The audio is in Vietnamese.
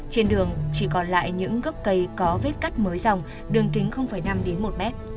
trên đường chỉ còn lại những gốc cây có vết cắt mới dòng đường kính năm đến một mét